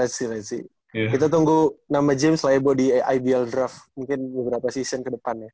let s see let s see kita tunggu nama james laebo di ibl draft mungkin beberapa season ke depannya